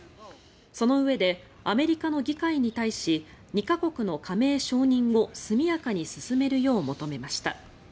そのうえでアメリカの議会に対し２か国の加盟承認を速やかに進めるよう求めました。